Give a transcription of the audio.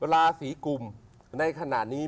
ราศีกลุ่มในขณะนี้